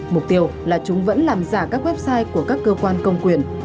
mục tiêu là chúng vẫn làm giả các website của các cơ quan công quyền